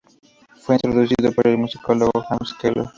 Fue introducido por el musicólogo Hans Keller.